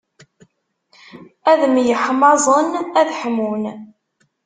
Ad myeḥmaẓen ad ḥmun.